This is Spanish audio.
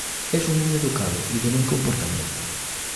Es un niño educado y de buen comportamiento.